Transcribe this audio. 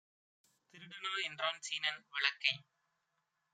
திருடனா என்றான் சீனன். விளக்கை